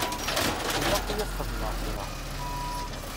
Ilaq-iyi ad xedmeɣ kra.